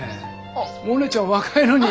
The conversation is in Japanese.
モネちゃん若いのに。